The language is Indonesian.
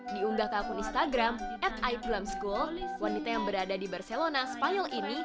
di unggah ke akun instagram at iplam school wanita yang berada di barcelona spanyol ini